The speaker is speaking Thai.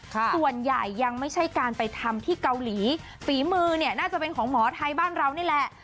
ส่วนใหญ่ยังไม่ใช่การไปทำที่เกาหลีฝีมือเนี่ยน่าจะเป็นของหมอไทยบ้านเรานี่แหละ